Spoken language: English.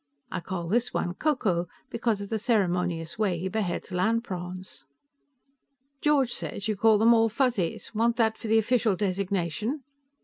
I call this one Ko Ko, because of the ceremonious way he beheads land prawns." "George says you call them all Fuzzies. Want that for the official designation?"